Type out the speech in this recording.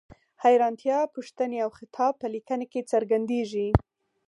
حیرانتیا، پوښتنې او خطاب په لیکنه کې څرګندیږي.